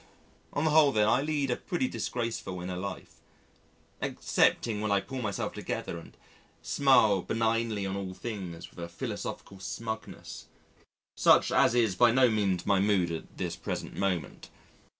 On the whole, then, I lead a pretty disgraceful inner life excepting when I pull myself together and smile benignly on all things with a philosophical smugness, such as is by no means my mood at this present moment.